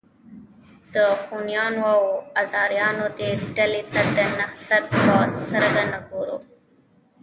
د خونیانو او آزاریانو دې ډلې ته د نهضت په سترګه نه ګورو.